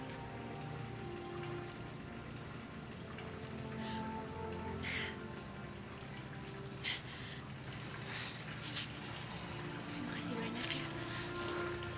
terima kasih banyak ya